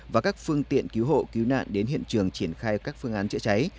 và các phương tiện cứu hộ cứu nạn đến hiện trường triển khai các phương án chữa cháy